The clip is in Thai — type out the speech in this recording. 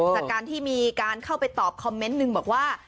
จากการที่มีการเข้าไปตอบคอมเมนต์หนึ่งบอกว่า